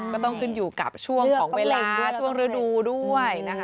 ก็ต้องขึ้นอยู่กับช่วงของเวลาช่วงฤดูด้วยนะคะ